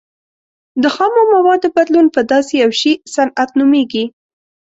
د خامو موادو بدلون په داسې یو شي صنعت نومیږي.